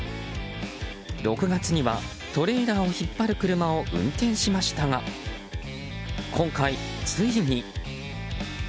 ６月には、トレーラーを引っ張る車を運転しましたが今回、ついに。